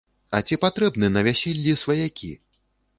А ці патрэбны на вяселлі сваякі?